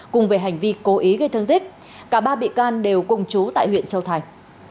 cùng về hành vi cố ý gây thương tích cả ba bị can đều cùng chú tại huyện châu thành